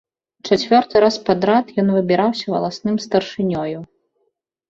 Чацвёрты раз падрад ён выбіраўся валасным старшынёю.